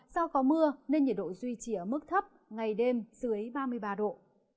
do có mưa nên nhiệt độ duy trì ở mức thấp ngày đêm dưới ba mươi ba độ